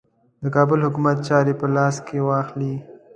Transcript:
د کابل حکومت چاري په لاس کې واخلي.